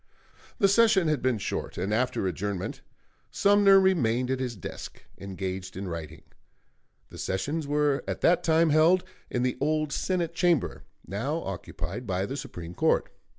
The session had been short, and after adjournment Sumner remained at his desk, engaged in writing. The sessions were at that time held in the old Senate Chamber, now occupied by the Supreme Court.